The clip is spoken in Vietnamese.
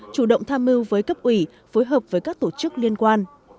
chủ động tham mưu với cấp ủy phối hợp với các tổ chức liên quan